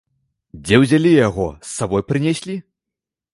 Дзе ўзялі яго, з сабой прынеслі?